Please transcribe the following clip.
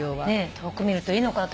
遠く見るといいのかな？